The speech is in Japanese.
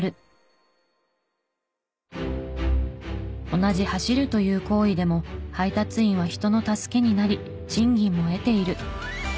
同じ走るという行為でも配達員は人の助けになり賃金も得ている。